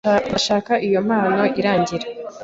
Ndashaka ko iyo mpano irangira.